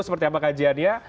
seperti apa kajiannya